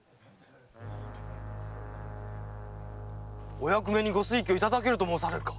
お役目にご推挙いただけると申されるか？